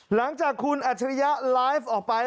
หลังจากคุณอัจฉริยะไลฟ์ออกไป